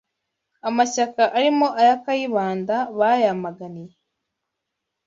amashyaka arimo aya Kayibanda bayamaganiye